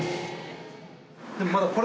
でもまだ。